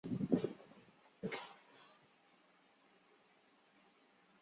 工业上各种氯代乙酸就是通过这个反应制备的。